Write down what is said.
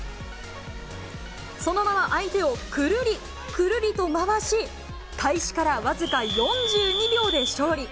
そのまま相手をくるりくるりと回し、開始から僅か４２秒で勝利。